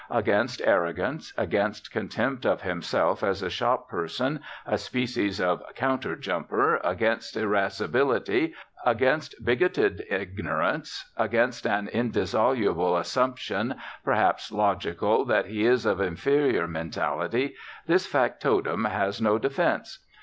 Against arrogance, against contempt of himself as a shop person, a species of "counter jumper," against irascibility, against bigoted ignorance, against an indissoluble assumption, perhaps logical, that he is of inferior mentality, this factotum has no defence.